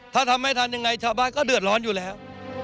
ถ้าทำไม่ทันยังไงชาวบ้านก็เดือดร้อนอยู่แล้ว